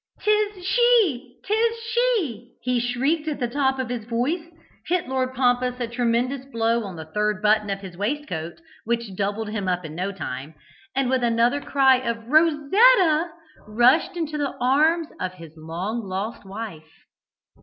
"'Tis she! 'Tis she!" he shrieked at the top of his voice, hit Lord Pompous a tremendous blow on the third button of his waistcoat, which doubled him up in no time, and with another cry of "Rosetta!" rushed into the arms of his long lost wife.